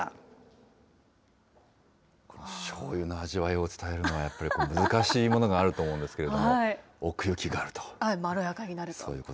しょうゆの味わいを伝えるのは、やっぱり難しいものがあると思うんですけれども、奥行きがあまろやかになると。